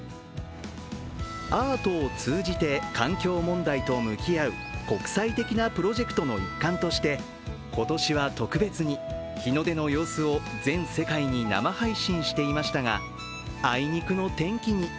アートを通じて環境問題と向き合う国際的なプロジェクトの一環として今年は特別に日の出の様子を全世界に生配信していましたがあいにくの天気に。